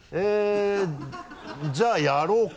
じゃあやろうか！